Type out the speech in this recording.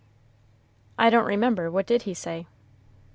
"I don't remember; what did he say?"